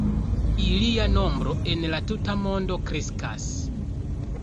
Ilia nombro en la tuta mondo kreskas.